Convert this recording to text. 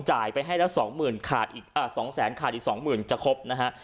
จ่ายไปให้ละสองหมื่นขาดอีก๒แสนขาดอีกสองหมื่นจะครบนะฮะ